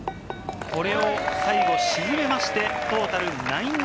これを最後沈めまして、トータル−９。